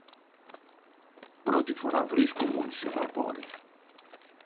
Πρώτη φορά βρίσκουμουν σε βαπόρι